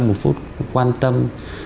một phút quan tâm